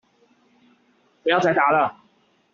不要再打了